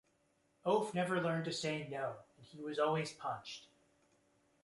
Oaf never learned to say "No" and he was always punched.